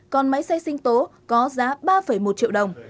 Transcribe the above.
còn máy xay sinh tố có giá ba một triệu đồng